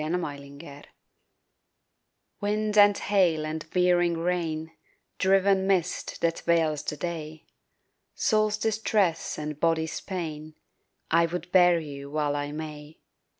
WHILE I MAY WIND and hail and veering rain, Driven mist that veils the day, Soul's distress and body's pain, I would bear you while I may.